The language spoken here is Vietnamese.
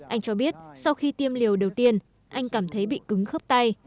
anh cho biết sau khi tiêm liều đầu tiên anh cảm thấy bị cứng khớp tay